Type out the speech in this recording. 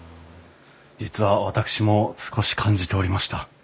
実は私も少し感じておりました。